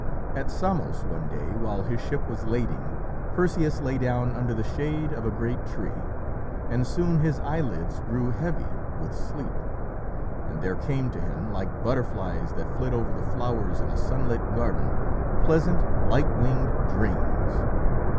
At Samos one day, while his ship was lading, Perseus lay down under the shade of a great tree, and soon his eyelids grew heavy with sleep, and there came to him, like butterflies that flit over the flowers in a sunlit garden, pleasant, light winged dreams.